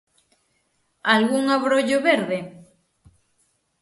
Algún abrollo verde?